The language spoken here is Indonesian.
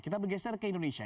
kita bergeser ke indonesia